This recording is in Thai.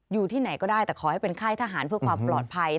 อยู่ที่ไหนก็ได้แต่ขอให้เป็นค่ายทหารเพื่อความปลอดภัย